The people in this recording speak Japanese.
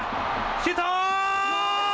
シュート！